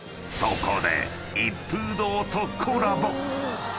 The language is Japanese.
［そこで一風堂とコラボ］